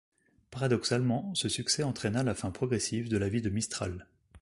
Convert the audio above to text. Paradoxalement ce succès entraîna la fin progressive de la vie de Mistral.